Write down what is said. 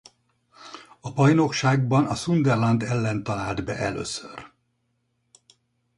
A bajnokságban a Sunderland ellen talált be először.